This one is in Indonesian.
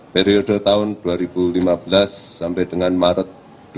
periode tahun dua ribu lima belas sampai dengan maret dua ribu dua puluh